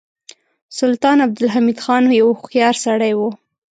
سلطان عبدالحمید خان یو هوښیار سړی و.